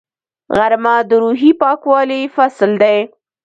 غرمه د روحي پاکوالي فصل دی